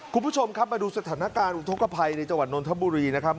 คุณผู้ชมครับมาดูสถานการณ์อุทธกภัยในจังหวัดนทบุรีนะครับ